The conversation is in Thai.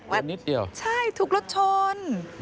นิดเดียวใช่ถูกรถชน